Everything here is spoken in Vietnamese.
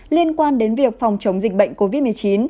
liên quan đến việc phòng chống dịch bệnh covid một mươi chín